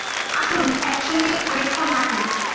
আসুন, একসঙ্গে খানিকক্ষণ হাঁটি।